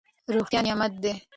روغتیا نعمت دی.